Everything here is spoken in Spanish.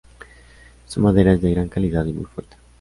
Su madera es de gran calidad y muy fuerte.